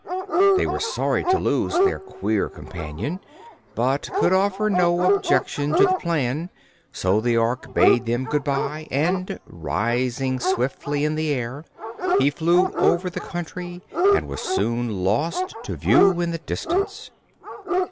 They were sorry to lose their queer companion, but could offer no objection to the plan; so the Ork bade them good bye and rising swiftly in the air, he flew over the country and was soon lost to view in the distance.